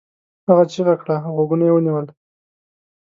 هغه چیغه کړه او غوږونه یې ونيول.